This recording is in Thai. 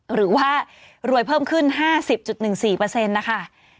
หรือว่ารวยเพิ่มขึ้น๕๐๑๔เปอร์เซ็นต์นะคะ